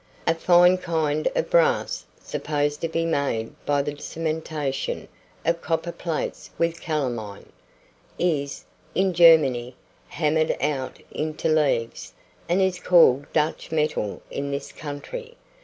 A fine kind of brass, supposed to be made by the cementation of copper plates with calamine, is, in Germany, hammered out into leaves, and is called Dutch metal in this country.